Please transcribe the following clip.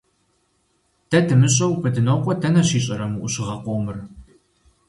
Дэ дымыщӀэу, Бэдынокъуэ дэнэ щищӀэрэ мы Ӏущыгъэ къомыр?